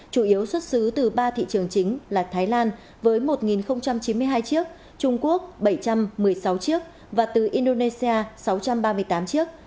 chủ yếu xuất xứ từ ba thị trường chính là thái lan với một chín mươi hai chiếc trung quốc bảy trăm một mươi sáu chiếc và từ indonesia sáu trăm ba mươi tám chiếc